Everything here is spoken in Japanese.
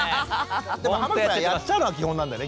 でも濱口さん「やっちゃう」のが基本なんだよね。